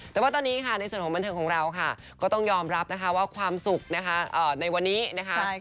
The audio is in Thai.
แต่ว่าตอนนี้ค่ะในส่วนของบันเทิงของเราค่ะก็ต้องยอมรับนะคะว่าความสุขนะคะในวันนี้นะคะ